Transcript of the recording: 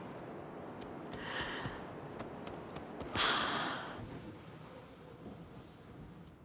はあ。